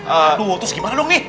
aduh terus gimana dong nih